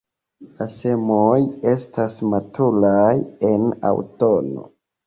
La semoj estas maturaj en aŭtuno.